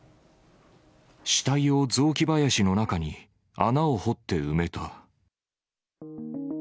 死体を雑木林の中に穴を掘って埋めた。